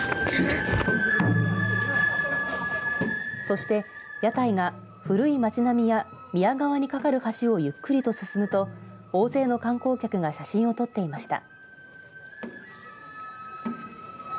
そして屋台が古い町並みや宮川に架かる橋をゆっくりと進むと大勢の観光客が写真を撮っていました。